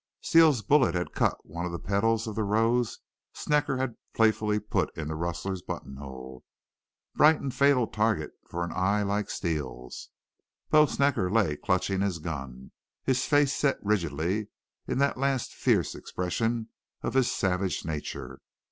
Steele's bullet had cut one of the petals of the rose Snecker had playfully put in the rustler's buttonhole. Bright and fatal target for an eye like Steele's! Bo Snecker lay clutching his gun, his face set rigidly in that last fierce expression of his savage nature.